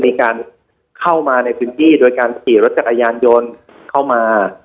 มีการเข้ามาในพื้นที่โดยการขี่รถจักรยานยนต์เข้ามา